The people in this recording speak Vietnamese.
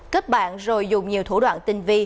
kết bạn rồi dùng nhiều thủ đoạn tinh vi